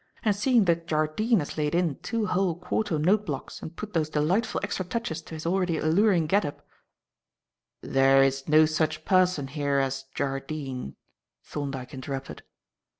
And seeing that Jardine has laid in two whole quarto note blocks and put those delightful extra touches to his already alluring get up " "There is no such person here as Jardine," Thorndyke interrupted.